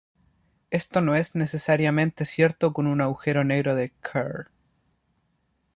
Esto no es necesariamente cierto con un agujero negro de Kerr.